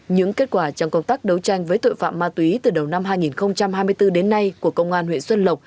những kết quả trong công tác đấu tranh với tội phạm ma túy từ đầu năm hai nghìn hai mươi bốn đến nay của công an huyện xuân lộc